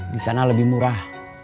di sana lebih murah